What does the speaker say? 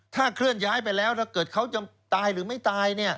ถ้าเคลื่อนย้ายไปแล้วถ้าเกิดเขาจะตายหรือไม่ตาย